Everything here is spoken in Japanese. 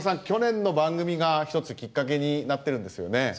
去年の番組が一つきっかけになってるんですよね。